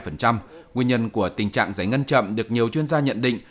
nguyên nhân của tình trạng giải ngân chậm được nhiều chuyên gia nhận định